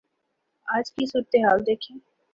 آج کی صورتحال دیکھیں۔